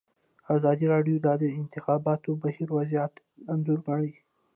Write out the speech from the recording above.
ازادي راډیو د د انتخاباتو بهیر وضعیت انځور کړی.